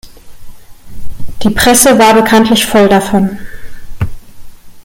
Die Presse war bekanntlich voll davon.